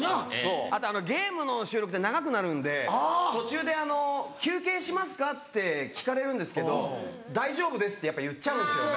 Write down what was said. あとゲームの収録って長くなるんで途中で休憩しますか？って聞かれるんですけど大丈夫ですってやっぱ言っちゃうんですよね。